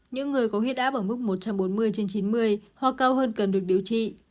những người có huyết áp ở mức một trăm bốn mươi trên chín mươi hoặc cao hơn cần được điều trị